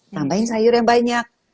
tambahin sayur yang banyak